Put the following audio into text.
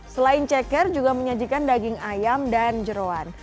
selain ceker juga menyajikan daging ayam dan jeruan